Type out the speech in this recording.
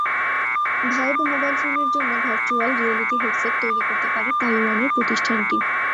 Vibe mobile ফোনের জন্য virtual reality headset তৈরি করতে পারে তাইওয়ানের প্রতিষ্ঠানটি।